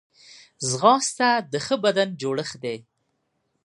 ځغاسته د ښه بدن جوړښت دی